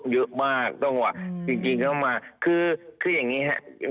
เยอะมากต้องว่ะจริงเข้ามาคืออย่างนี้ครับ